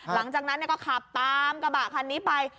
หลังจากนั้นก็ขับตามกระบะคันนี้ไป